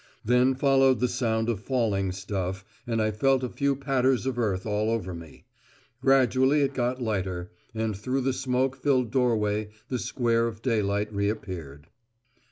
Then followed the sound of falling stuff, and I felt a few patters of earth all over me. Gradually it got lighter, and through the smoke filled doorway the square of daylight reappeared.